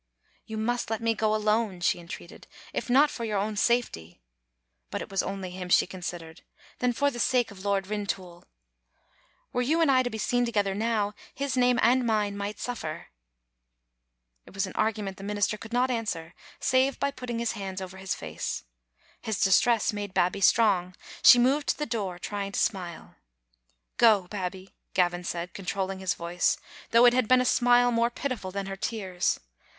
"You must let me go alone," she entreated; "if not for your own safety" — but it was only him she consid cre4 —" th^U fpr the 3ake of Lord Riptoul. Were yoi; Digitized by VjOOQ IC m Vb€ Xittle Ainf0ter. and I to be seen together now» his name and mine might suflEer." It was an argument the minister could not answer save by putting his hands over his face ; his distress made Babbie strong ; she moved to the door, trying to smile. "Go, Babbie!" Gavin said, controlling his voice, though it had been a smile more pitiful than her tears.